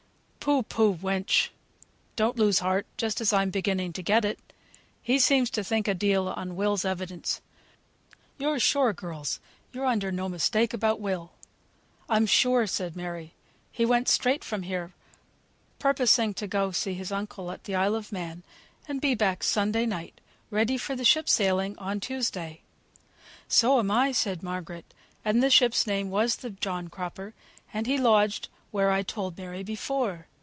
"Pooh! pooh! wench; don't lose heart, just as I'm beginning to get it. He seems to think a deal on Will's evidence. You're sure, girls, you're under no mistake about Will?" "I'm sure," said Mary, "he went straight from here, purposing to go see his uncle at the Isle of Man, and be back Sunday night, ready for the ship sailing on Tuesday." "So am I," said Margaret. "And the ship's name was the John Cropper, and he lodged where I told Mary before.